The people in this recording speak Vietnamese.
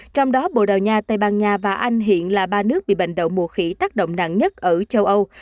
trong đó bồ đào nha tây ban nha và anh hiện là ba nước bị bệnh đậu mùa khỉ tác động nặng nhất ở châu âu